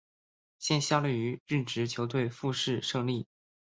现效力于日职球队富山胜利。